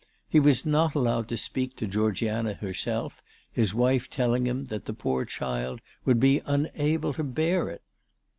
He was not allowed to speak to Georgiana herself, his wife telling him that the poor child would be unable to bear it.